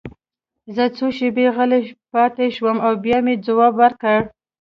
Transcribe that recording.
زه څو شېبې غلی پاتې شوم او بیا مې ځواب ورکړ